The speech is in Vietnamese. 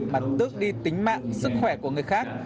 mà tước đi tính mạng sức khỏe của người khác